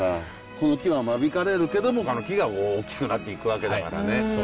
この木は間引かれるけどもほかの木が大きくなっていくわけだからね。